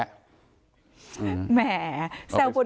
แหมแซมโปรดิวเซอร์โลตลอด